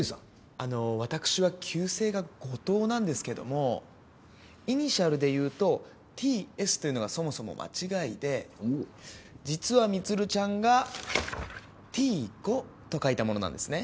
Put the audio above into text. あのわたくしは旧姓が後藤なんですけどもイニシャルで言うとＴ・Ｓというのがそもそも間違いで実は充ちゃんがＴ・５と書いたものなんですね。